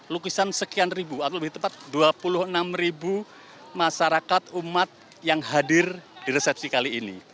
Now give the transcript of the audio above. lukisan sekian ribu atau lebih tepat dua puluh enam ribu masyarakat umat yang hadir di resepsi kali ini